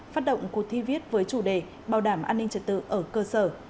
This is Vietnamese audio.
phát động cuộc thi viết với chủ đề bảo đảm an ninh trật tự ở cơ sở